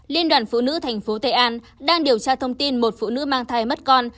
liên đoàn phụ nữ thành phố tây an đang điều tra thông tin một phụ nữ mang thai mất con